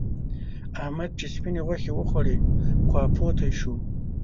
احمد چې سپينې غوښې وخوړې؛ خواپوتی شو.